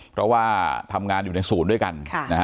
เพราะว่าทำงานอยู่ในศูนย์ด้วยกัน